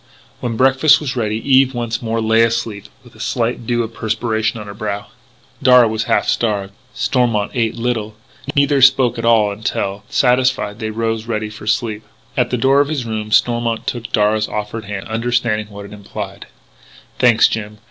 When breakfast was ready Eve once more lay asleep with a slight dew of perspiration on her brow. Darragh was half starved: Stormont ate little. Neither spoke at all until, satisfied, they rose, ready for sleep. At the door of his room Stormont took Darragh's offered hand, understanding what it implied: "Thanks, Jim....